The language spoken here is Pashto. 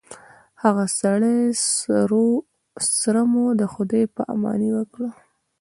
هغه سړو سره مو د خداے په اماني وکړه